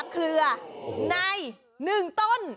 เครือใน๑ต้น